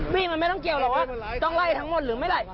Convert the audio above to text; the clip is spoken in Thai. ไม่ต้องเกี่ยวหรอกว่าต้องไล่ทั้งหมดหรือไม่ไหร